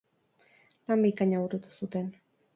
Lan bikaina burutu zuten.